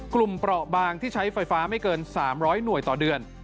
เปราะบางที่ใช้ไฟฟ้าไม่เกิน๓๐๐หน่วยต่อเดือน